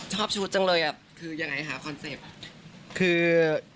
ชอบชุดจังเลยอ่ะคือยังไงคะคอนเซ็ปต์คือ